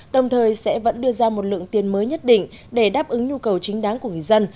đồng thời sẽ vẫn đưa ra một lượng tiền mới nhất định để đáp ứng nhu cầu chính đáng của người dân